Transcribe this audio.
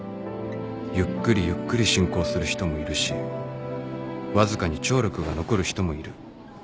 ゆっくりゆっくり進行する人もいるしわずかに聴力が残る人もいる